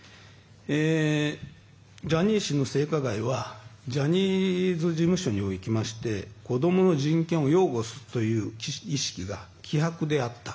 ジャニー氏の性加害はジャニーズ事務所におきまして子供の人権を擁護するという意識が希薄であった。